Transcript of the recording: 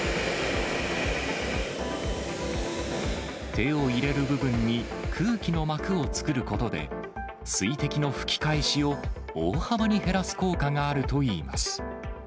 手を入れる部分に空気の膜を作ることで、水滴の吹き返しを大幅に減らす効果があるといいます。